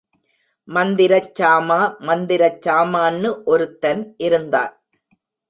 மந்திரச் சாமா மந்திரச் சாமான்னு ஒருத்தன் இருந்தான்.